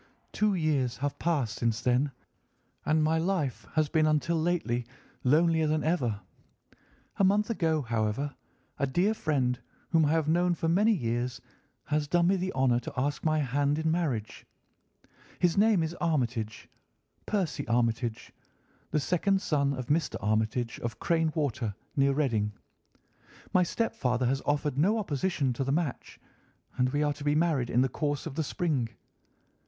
"Two years have passed since then, and my life has been until lately lonelier than ever. A month ago, however, a dear friend, whom I have known for many years, has done me the honour to ask my hand in marriage. His name is Armitage—Percy Armitage—the second son of Mr. Armitage, of Crane Water, near Reading. My stepfather has offered no opposition to the match, and we are to be married in the course of the spring.